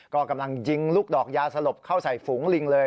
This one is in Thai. ก็กำลังยิงลูกดอกยาสลบเข้าใส่ฝูงลิงเลย